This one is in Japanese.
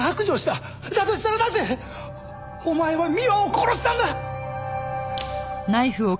だとしたらなぜお前は美和を殺したんだ！？